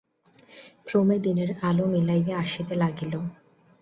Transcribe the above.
ক্রমে, দিনের আলো মিলাইয়া আসিতে লাগিল।